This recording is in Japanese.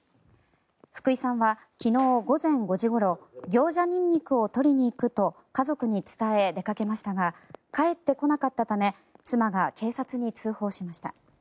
福井さんは昨日午前５時ごろギョウジャニンニクを採りに行くと家族に伝え、出かけましたが帰ってこなかったため妻が警察に通報しました。